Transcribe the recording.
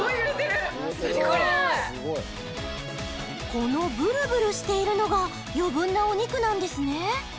このブルブルしているのが余分なお肉なんですね？